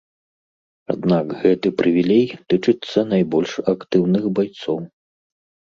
Аднак гэты прывілей тычыцца найбольш актыўных байцоў.